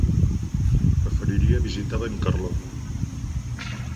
Preferiria visitar Benicarló.